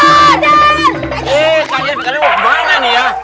eh kalian kalian bawa emang banget nih ya